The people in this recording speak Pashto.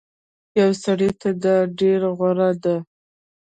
يو سړي ته دا ډير غوره ده